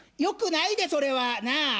よくないでそれは！